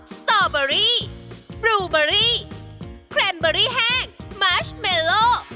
สตอเบอรี่บลูเบอรี่เครมเบอรี่แห้งมาชเมโล